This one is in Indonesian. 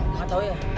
gak tahu ya